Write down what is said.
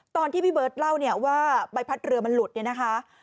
ตอนที่พี่เบิร์ตเล่าเนี่ยว่าใบพัดเรือมันหลุดเนี่ยนะคะ